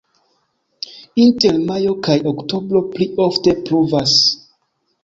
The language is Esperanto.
Inter majo kaj oktobro pli ofte pluvas.